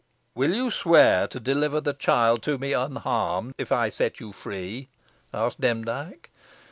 "Will you swear to deliver the child to me unharmed, if I set you free?" asked Demdike.